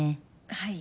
はい。